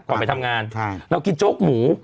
ไปทำงานเรากินโจ๊กหมู